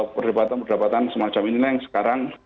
perdebatan perdebatan semacam inilah yang sekarang